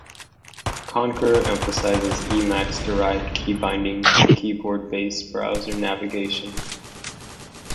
Conkeror emphasizes Emacs-derived key bindings and keyboard-based browser navigation.